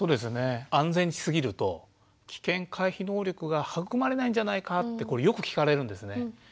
安全にしすぎると危険回避能力が育まれないんじゃないかってこれよく聞かれるんですね。